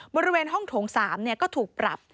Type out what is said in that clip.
บริเวณห้องโถง๓ก็ถูกปรับ